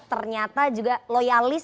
ternyata juga loyalis